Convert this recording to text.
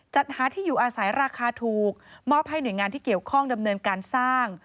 จัดหาที่อยู่อาศัยราคาถูกมอบให้หน่วยงานที่เกี่ยวข้องดำเนินการสร้าง